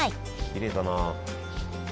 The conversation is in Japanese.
きれいだな。